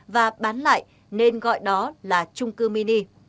và bán lại nên gọi đó là trung cư mini